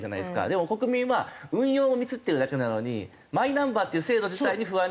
でも国民は運用をミスってるだけなのにマイナンバーっていう制度自体に不安になるし。